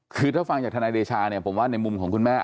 คือถ้าฟังจากฐานายฐ์เดชาผมว่าในมุมของคุณแม่